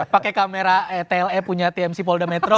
pakai kamera etle punya tmc polda metro